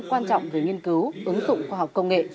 ứng dụng khoa học công nghệ